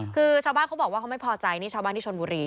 เขาบอกเขาไม่พอใจชาวบ้านนี้ชลบุรี